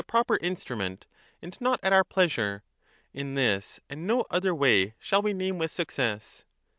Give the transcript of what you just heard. mo proper instrument, and not at our pleasure : in this and no GENES. ^^_^ other way shall we name with success.